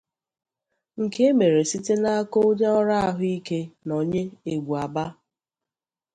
nke e mere site n'aka onye ọrụ ahụike Nonye Egbuaba.